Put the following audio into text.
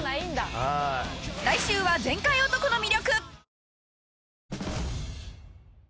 来週は全開男の魅力！